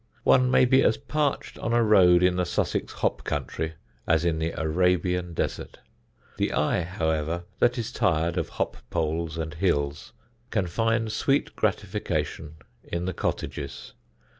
One can be as parched on a road in the Sussex hop country as in the Arabian desert. The eye, however, that is tired of hop poles and hills can find sweet gratification in the cottages.